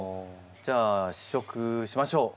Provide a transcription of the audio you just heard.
じゃあ試食しましょう。